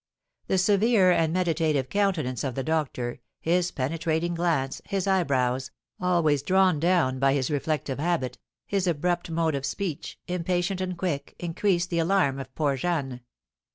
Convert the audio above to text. The severe and meditative countenance of the doctor, his penetrating glance, his eyebrows, always drawn down by his reflective habit, his abrupt mode of speech, impatient and quick, increased the alarm of poor Jeanne.